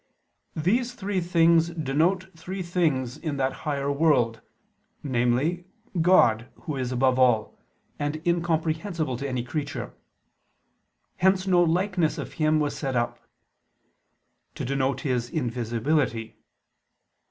These three things denote three things in that higher world: namely, God Who is above all, and incomprehensible to any creature. Hence no likeness of Him was set up; to denote His invisibility.